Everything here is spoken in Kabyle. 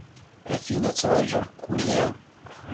A tinna ttṛaǧuɣ kul iḍ.